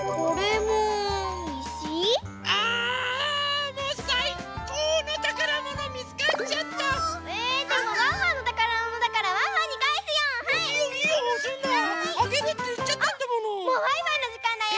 もうバイバイのじかんだよ！